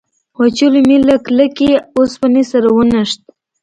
وچولی مې له کلکې اوسپنې سره ونښت.